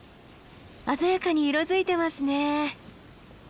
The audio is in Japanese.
鮮やかに色づいてますね。